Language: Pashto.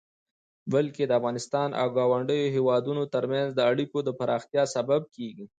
بلکې د افغانستان او ګاونډيو هيوادونو ترمنځ د اړيکو د پراختيا سبب کيږي.